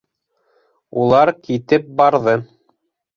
Улар китеп барҙы.